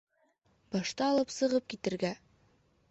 Башты алып сығып китергә!